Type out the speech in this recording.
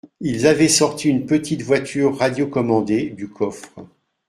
ils avaient sorti une petite voiture radio commandée du coffre